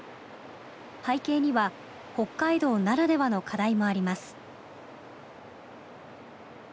背景には北海道ならではの課題もあります。